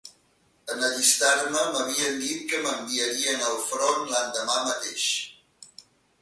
En allistar-me, m'havien dit que m'enviarien al front l'endemà mateix